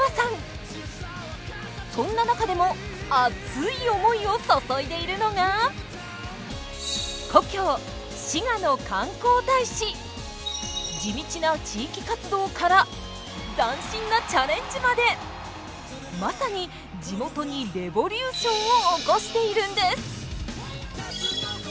そんな中でも熱い思いを注いでいるのが地道な地域活動から斬新なチャレンジまでまさに地元にレボリューションを起こしているんです。